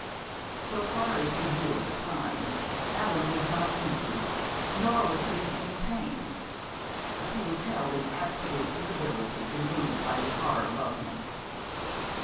"So far as he knew at the time, Allan was not injured, nor was he in any pain; but he was held in absolute inability to move by the car above him.